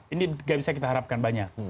ini gak bisa kita harapkan banyak